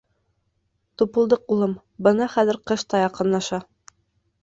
— Тупылдыҡ улым, бына хәҙер ҡыш та яҡынлаша.